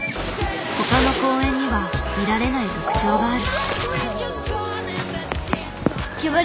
他の公園には見られない特徴がある。